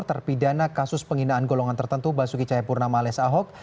terpidana kasus penghinaan golongan tertentu basuki cahayapurna males ahok